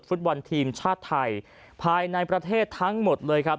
ฟุตบอลทีมชาติไทยภายในประเทศทั้งหมดเลยครับ